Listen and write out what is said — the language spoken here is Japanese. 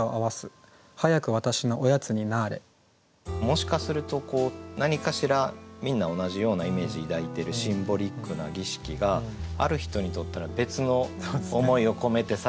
もしかすると何かしらみんな同じようなイメージ抱いてるシンボリックな儀式がある人にとったら別の思いを込めてされてることも。